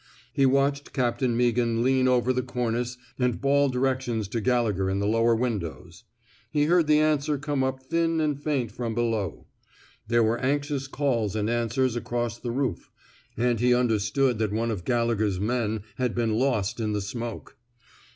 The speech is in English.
He watched Captain Meaghan lean over the cornice and bawl directions to Gallegher in the lower windows. He heard the answer 159 I THE SMOKE EATERS come up thin and faint from below. There were anxious calls and answers across the roof, and he understood that one of Galle gher's men had been lost in the smoke.